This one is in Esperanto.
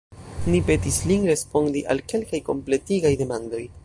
Ni petis lin respondi al kelkaj kompletigaj demandoj.